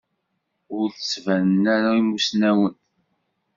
Ur d-ttbanen ara imusnawen.